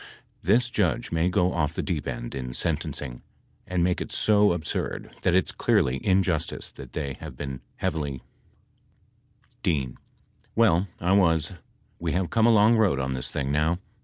This judge may go off the deep end in sentencing, and make it so absurd that it's clearly injustice, that they have been heavily [p. 102.] D. Well I was — we have come a long road on this thing now.